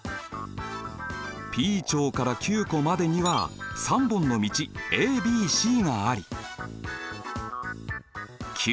Ｐ町からＱ湖までには３本の道ａｂｃがありＱ